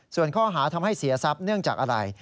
ส่วนข้อหาทำให้เสียทรัพย์เนื่องจากอะไร